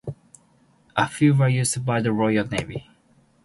A few were used by the Royal Navy.